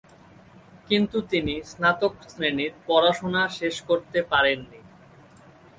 কিন্তু তিনি স্নাতক শ্রেণির পড়াশোনা শেষ করতে পারেন নি।